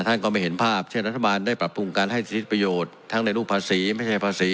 ท่านก็ไม่เห็นภาพเช่นรัฐบาลได้ปรับปรุงการให้สิทธิประโยชน์ทั้งในรูปภาษีไม่ใช่ภาษี